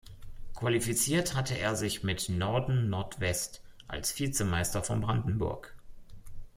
Qualifiziert hatte er sich mit Norden-Nordwest als Vizemeister von Brandenburg.